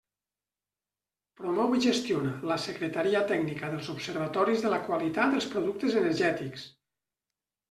Promou i gestiona la Secretaria Tècnica dels Observatoris de la Qualitat dels productes energètics.